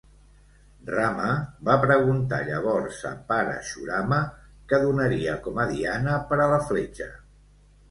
Rama va preguntar llavors a Parashurama què donaria com a diana per a la fletxa.